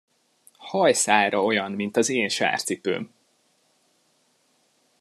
Hajszálra olyan, mint az én sárcipőm!